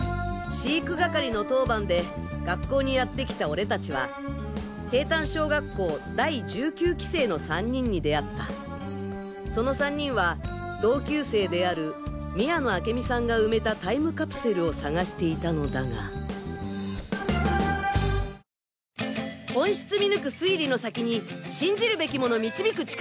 飼育係の当番で学校にやってきた俺達は帝丹小学校第１９期生の３人に出会ったその３人は同級生である宮野明美さんが埋めたタイムカプセルを探していたのだが本質見抜く推理の先に信じるべきもの導く力